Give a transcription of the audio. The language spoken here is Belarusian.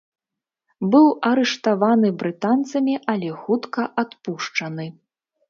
Быў арыштаваны брытанцамі, але хутка адпушчаны.